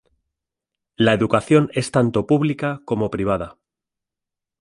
La educación es tanto pública como privada.